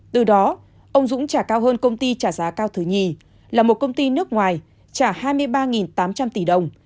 từ đó ông dũng trả cao hơn công ty trả giá cao thứ nhì là một công ty nước ngoài trả hai mươi ba tám trăm linh tỷ đồng